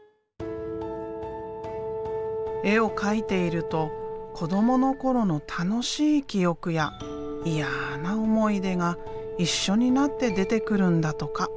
絵を描いていると子どもの頃の楽しい記憶や嫌な思い出が一緒になって出てくるんだとか。